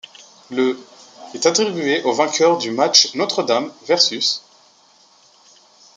Le ' est attribué au vainqueur du match Notre-Dame vs.